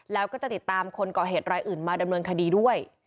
แล้วก็จะติดตามคนก่อเหตุรายอื่นมาดำเนินคดีด้วย